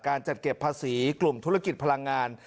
จัดเก็บภาษีกลุ่มธุรกิจพลังงาน